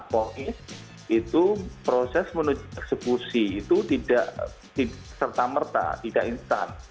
ponis itu proses menuju eksekusi itu tidak serta merta tidak instan